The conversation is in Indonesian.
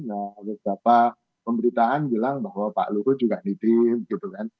ada beberapa pemberitaan bilang bahwa pak luhut juga ditip